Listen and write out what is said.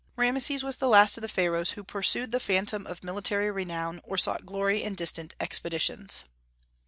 Rameses was the last of the Pharaohs who pursued the phantom of military renown, or sought glory in distant expeditions.